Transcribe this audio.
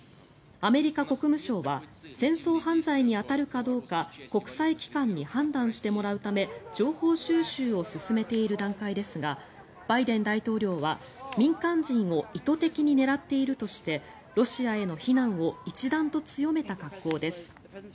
アメリカ国務省は戦争犯罪に当たるかどうか国際機関に判断してもらうため情報収集を進めている段階ですがバイデン大統領は、民間人を意図的に狙っているとしてロシアへの非難を一段と強めた格好です。